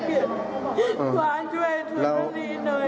ขอช่วยสุนทะลีหน่อยค่ะ